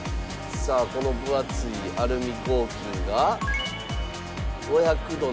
さあこの分厚いアルミ合金が。